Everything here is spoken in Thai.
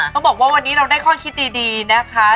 ต้องบอกว่าวันนี้เราได้ข้อคิดดีนะคะ